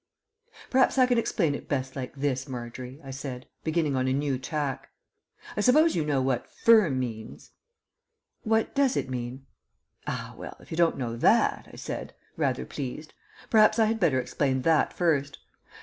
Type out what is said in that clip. "Perhaps I can explain it best like this, Margery," I said, beginning on a new tack. "I suppose you know what 'firm' means?" "What does it mean?" "Ah, well, if you don't know that," I said, rather pleased, "perhaps I had better explain that first.